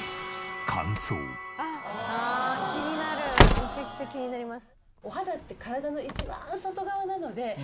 めちゃくちゃ気になります。